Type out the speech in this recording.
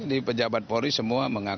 artinya bapak terima saja